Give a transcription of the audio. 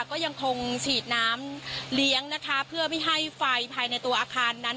ก็ยังคงฉีดน้ำเลี้ยงนะคะเพื่อไม่ให้ไฟภายในตัวอาคารนั้น